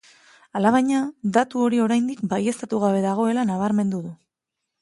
Alabaina, datu hori oraindik baieztatu gabe dagoela nabarmendu du.